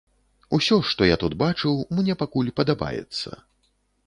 Усё, што я тут бачыў, мне пакуль падабаецца.